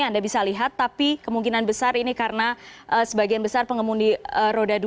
anda bisa lihat tapi kemungkinan besar ini karena sebagian besar pengemudi roda dua